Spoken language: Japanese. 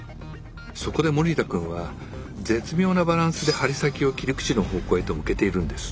そこで森田くんは絶妙なバランスで針先を切り口の方向へと向けているんです。